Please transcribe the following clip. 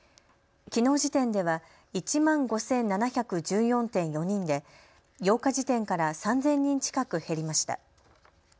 きのう時点では１万５７１４．４人で８日時点から３０００人近く減りました。